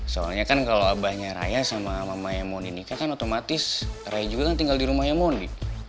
soalnya kan kalo abahnya raya sama mamanya mundi nikah kan otomatis raya juga kan tinggal di rumahnya mundi